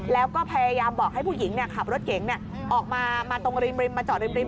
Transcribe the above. แล้วก็พยายามบอกให้ผู้หญิงขับรถเก๋งออกมามาตรงริมมาจอดริม